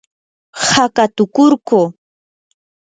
haqatukurquu.